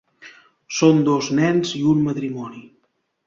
Son dos nens i un matrimoni.